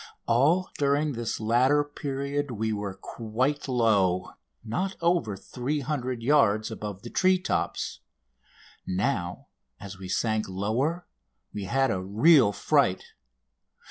All during this latter period we were quite low not over 300 yards above the tree tops. Now, as we sank lower, we had a real fright.